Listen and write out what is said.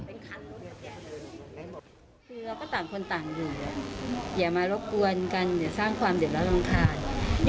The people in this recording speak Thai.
คือเราก็ต่างคนต่างอยู่อย่ามารบกวนกันอย่าสร้างความเดือดร้อนรำคาญ